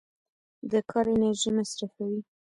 د کار انرژي مصرفوي.